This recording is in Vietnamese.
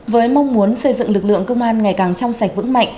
với mong muốn xây dựng lực lượng công an ngày càng trong sạch vững mạnh